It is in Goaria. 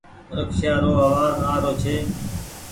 رڪسيا رو آواز آ رو ڇي۔